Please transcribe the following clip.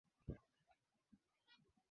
haya ni mabadiliko makubwa sana